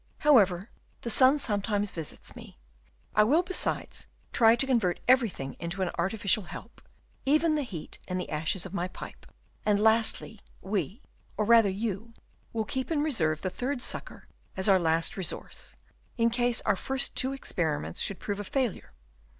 However, the sun sometimes visits me. I will, besides, try to convert everything into an artificial help, even the heat and the ashes of my pipe, and lastly, we, or rather you, will keep in reserve the third sucker as our last resource, in case our first two experiments should prove a failure.